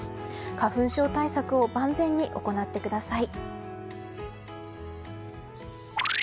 花粉症対策を万全に行ってください。